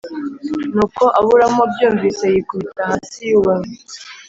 Nuko aburamu abyumvise yikubita hasi yubamye